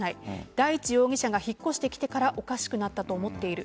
大地容疑者が引っ越してきてからおかしくなったと思っている。